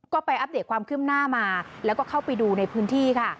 ก็ไปอัปเดตความคืบหน้ามาแล้วก็เข้าไปดูในพื้นที่ค่ะ